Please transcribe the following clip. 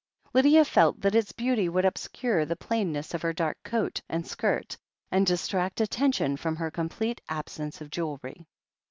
Lydia felt that its beauty would obscure the plain ness of her dark coat and skirt and distract attention from her complete absence of jewellery.